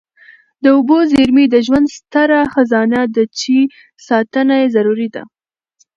د اوبو زیرمې د ژوند ستره خزانه ده چي ساتنه یې ضروري ده.